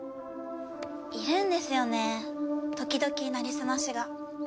いるんですよね時々なりすましが。